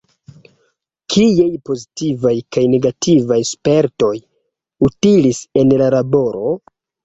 Kiaj pozitivaj kaj negativaj spertoj utilis en la laboro?